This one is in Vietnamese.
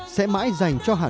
sẽ mãi dành cho hà nội